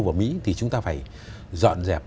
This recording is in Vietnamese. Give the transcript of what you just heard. và mỹ thì chúng ta phải dọn dẹp